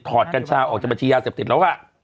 กัญชาออกจากบัญชียาเสพติดแล้ว